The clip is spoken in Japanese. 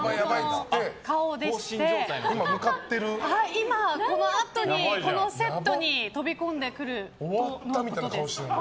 今、このあとにこのセットに飛び込んでくるということです。